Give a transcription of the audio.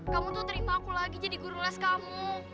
kamu tuh terima aku lagi jadi guru les kamu